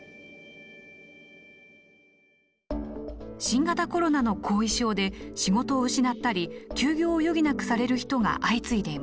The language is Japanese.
新型コロナの後遺症で仕事を失ったり休業を余儀なくされる人が相次いでいます。